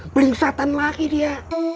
pelingsatan lagi dia